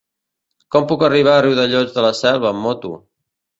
Com puc arribar a Riudellots de la Selva amb moto?